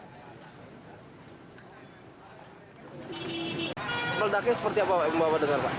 seperti apa yang bapak dengar